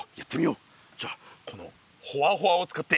じゃこのホワホワを使って。